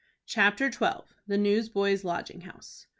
CHAPTER XII. THE NEWSBOYS' LODGING HOUSE.